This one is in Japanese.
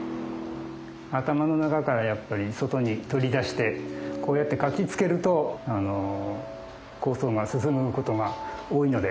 頭の中からやっぱり外に取り出してこうやって書きつけると構想が進むことが多いので。